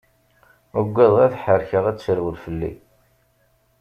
Uggadeɣ ad ḥerkeɣ ad terwel fell-i.